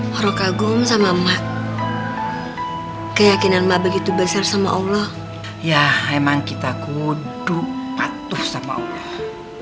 hora kagum sama emak keyakinan mbak begitu besar sama allah ya emang kita kududu patuh sama allah